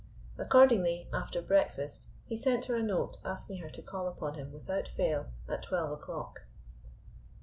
Accordingly, after breakfast, he sent her a note asking her to call upon him, without fail, at twelve o'clock.